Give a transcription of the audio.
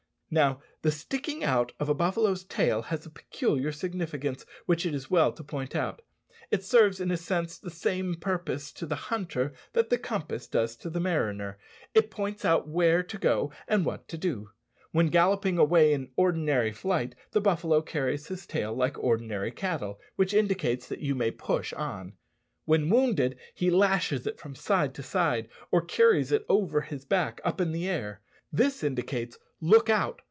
Now, the sticking out of a buffalo's tail has a peculiar significance which it is well to point out. It serves, in a sense, the same purpose to the hunter that the compass does to the mariner it points out where to go and what to do. When galloping away in ordinary flight, the buffalo carries his tail like ordinary cattle, which indicates that you may push on. When wounded, he lashes it from side to side, or carries it over his back, up in the air; this indicates, "Look out!